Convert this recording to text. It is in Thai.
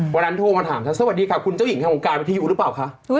วันนั้นโทรมาถามท่านสวัสดีค่ะคุณเจ้าหญิงทางวงการวิทยุหรือเปล่าคะ